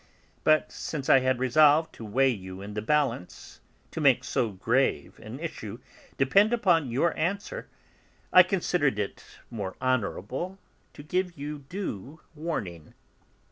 But, since I had resolved to weigh you in the balance, to make so grave an issue depend upon your answer, I considered it more honourable to give you due warning."